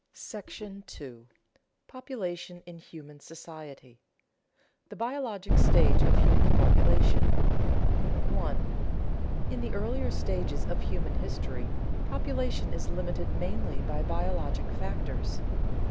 § II. POPULATION IN HUMAN SOCIETY [Sidenote: The biologic stage of human population] 1. _In the earlier stages of human history, population is limited mainly by biologic factors.